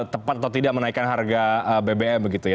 tepat atau tidak menaikkan harga bbm begitu ya